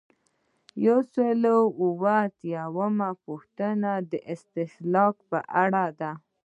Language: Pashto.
یو سل او اووه اتیایمه پوښتنه د استهلاک په اړه ده.